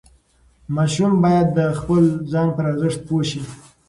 ماشوم باید د خپل ځان پر ارزښت پوه شي.